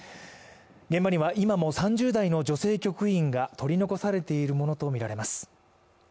現場には今も３０代の女性局員が取り残されているとみられます。